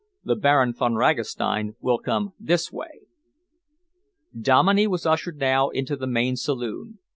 The Baron Von Ragastein will come this way." Dominey was ushered now into the main saloon.